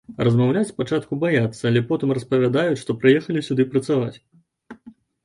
Размаўляць спачатку баяцца, але потым распавядаюць, што прыехалі сюды працаваць.